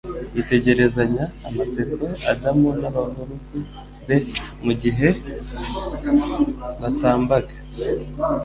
Yitegerezanyaga amatsiko Adamu n'abahurugu be mu gihe batambaga.